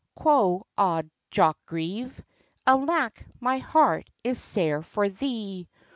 quo' auld Jock Grieve, "Alack! my heart is sair for thee!